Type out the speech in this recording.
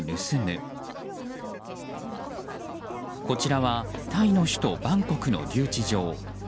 こちらはタイの首都バンコクの留置場。